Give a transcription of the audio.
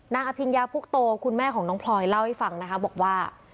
อภิญญาภุกโตคุณแม่ของน้องพลอยเล่าให้ฟังนะคะบอกว่า